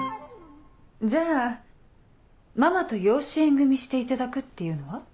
じゃあママと養子縁組していただくっていうのは？